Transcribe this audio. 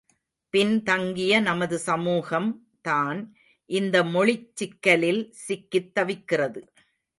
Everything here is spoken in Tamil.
பின் தங்கிய நமது சமூகம் தான் இந்த மொழிச் சிக்கலில் சிக்கித் தவிக்கிறது.